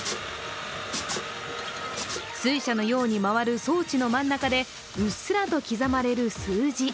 水車のように回る装置の真ん中でうっすらと刻まれる数字。